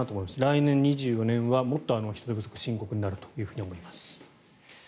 来年２４年はもっと人手不足深刻になると思います。